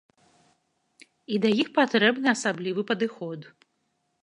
І да іх патрэбны асаблівы падыход.